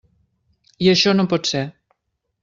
I això no pot ser.